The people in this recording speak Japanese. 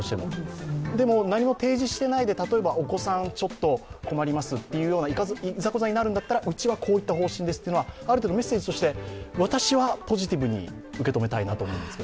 でも、何も提示していないで、お子さんちょっと困りますといざこざになるんだったら、うちはこういった方針ですというのはある程度メッセージとして私はポジティブに受け止めたいなと思います。